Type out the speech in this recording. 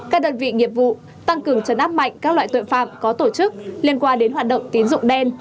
các đơn vị nghiệp vụ tăng cường chấn áp mạnh các loại tội phạm có tổ chức liên quan đến hoạt động tín dụng đen